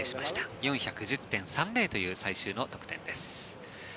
４１０．３０という最終の得点です。